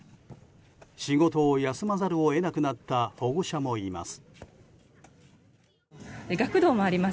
仕事を休まざるを得なくなった保護者もいます。